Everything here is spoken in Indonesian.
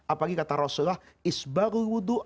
apalagi kata rasulullah isbarul wudhu